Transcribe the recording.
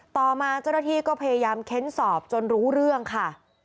ต่อมาเจ้าหน้าที่ก็พยายามเค้นสอบจนรู้เรื่องค่ะ